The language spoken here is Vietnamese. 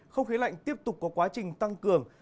không khí lạnh tiếp tục có quá trình tăng cường